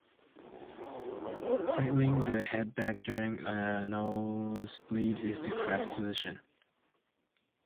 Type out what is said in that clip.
Tilting the head back during a nosebleed is the correct position.